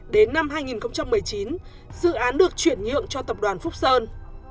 đến năm hai nghìn một mươi chín dự án được chuyển nhượng cho tập đoàn phúc sơn